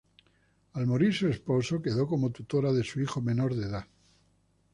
Al morir su esposo quedó como tutora de su hijo menor de edad.